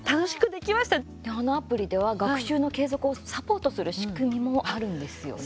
あのアプリでは学習の継続をサポートする仕組みもあるんですよね。